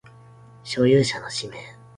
所有者の氏名